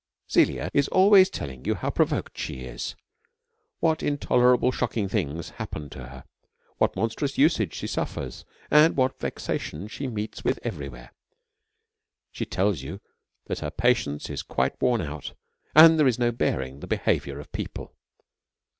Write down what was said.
Ca^lia is always telling you how provoked she is, what intolerable shocking things happen to her, what monstrous usage she suffers, and what vexations she meets with every where. She tells you that her pa tience is quite wore out, and there is no bearing the behaviour of people.